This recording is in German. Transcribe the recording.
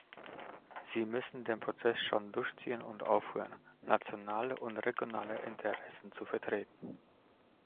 Sie müssen den Prozess schon durchziehen und aufhören, nationale und regionale Interessen zu vertreten.